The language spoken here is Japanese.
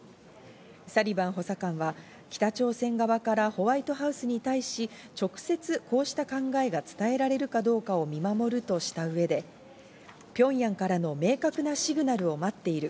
サリバン補佐官は北朝鮮側からホワイトハウスに対し、直接こうした考えが伝えられるかどうかを見守るとした上で、ピョンヤンからの明確なシグナルを待っている。